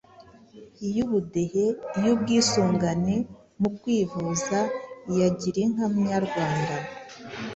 iy’ubudehe, iy’ubwisungane mu kwivuza, iya Gira inka Munyarwanda,